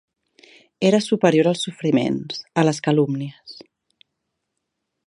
Era superior als sofriments, a les calúmnies.